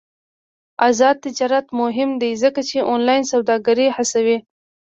آزاد تجارت مهم دی ځکه چې آنلاین سوداګري هڅوي.